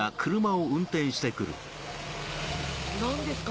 何ですか？